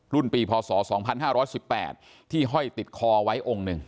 ปีพศ๒๕๑๘ที่ห้อยติดคอไว้องค์หนึ่ง